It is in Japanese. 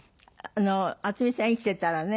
渥美さん生きていたらね。